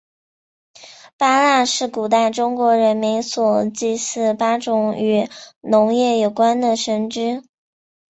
八蜡是古代中国人民所祭祀八种与农业有关的神只。